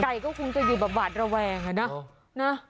ไก่ก็คงจะอยู่แบบหวัดระแวงนะ